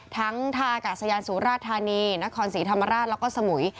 ทั้งทาอากาศยานสูตรราชธรรมนีนครสีธรรมราชแล้วก็สมุย